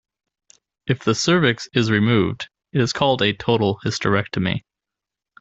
If the cervix is removed, it is called a 'total hysterectomy.